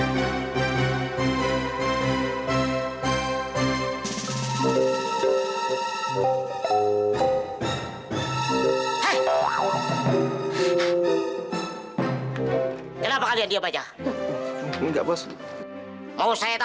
senang deh papa punya papa